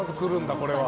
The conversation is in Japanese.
これは。